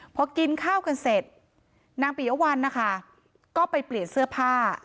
พอกินข้าวกันเสร็จนางปิยะวันนะคะก็ไปเปลี่ยนเสื้อผ้า